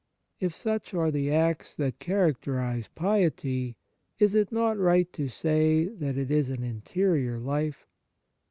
If such are the acts that character ize piety, is it not right to say that it is an interior life